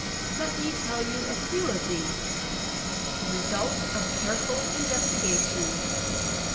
Let me tell you a few of these, the result of careful investigation.